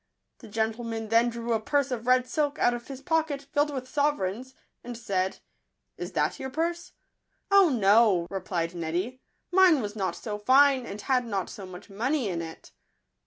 The gentleman then drew a purse of red silk out of his pocket, filled with sovereigns, and said, " Is that your purse?" " Oh, no," replied Neddy ;" mine was not so fine, and had not so much money in it."